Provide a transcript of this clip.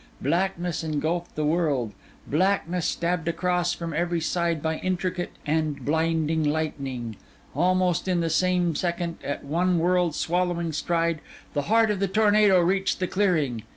Blackness engulfed the world; blackness, stabbed across from every side by intricate and blinding lightning. Almost in the same second, at one world swallowing stride, the heart of the tornado reached the clearing.